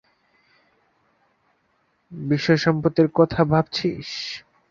বিষয় সম্পত্তির কথা ভাবছিস?